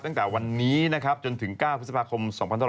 ตั้งแต่วันนี้นะครับจนถึง๙พฤษภาคม๒๕๖๒